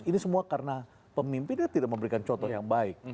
ini semua karena pemimpinnya tidak memberikan contoh yang baik